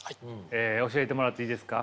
教えてもらっていいですか。